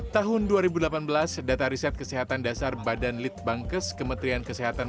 tahun dua ribu delapan belas data riset kesehatan dasar badan litbangkes kementerian kesehatan